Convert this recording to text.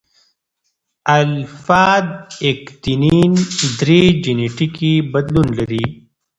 الفا اکتینین درې جینیټیکي بدلون لري.